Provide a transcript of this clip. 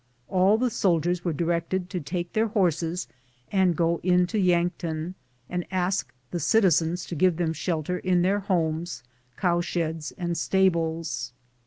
All the soldiers were directed to take their horses and go into Yankton, and ask the citizens to give them shelter in their homes, cow sheds, and stables.